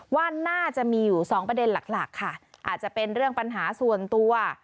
ว่าน่าจะมีอยู่สองประเด็นหลักหลักค่ะอาจจะเป็นเรื่องปัญหาส่วนตัว